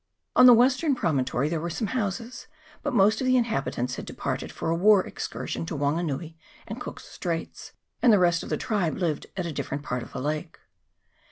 On the western promontory were some houses ; but most of the inhabitants had departed for a war excursion to Wanganui and Cook's Straits, and the rest of the tribe lived at a different part of the lake.